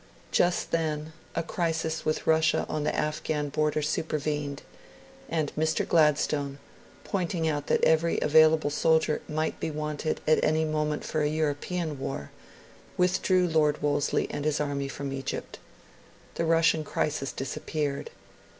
Just then, a crisis with Russia on the Afghan frontier supervened; and Mr. Gladstone, pointing out that every available soldier might be wanted at any moment for a European war, withdrew Lord Wolseley and his army from Egypt. The Russian crisis disappeared.